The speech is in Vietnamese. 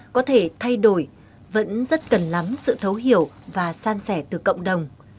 có thể thay đổi vẫn rất cần lắm sự thấu hiểu và san sẻ từ cộng đồng